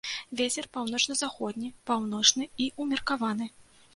Вецер паўночна-заходні, паўночны і ўмеркаваны.